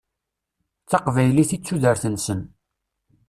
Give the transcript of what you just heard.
D taqbaylit i d tudert-nsen.